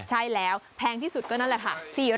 ใช่แล้วแพงที่สุดก็นั่นแหละค่ะ